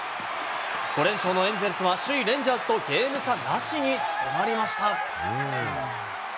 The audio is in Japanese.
５連勝のエンゼルスは、首位レンジャーズとゲーム差なしに迫りました。